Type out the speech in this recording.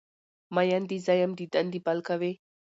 مین دی زه یم دیدن دی بل کوی